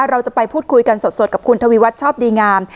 เราจะไปพูดคุยกันสดกับคุณทวีวัฒน์ชอบดีงาม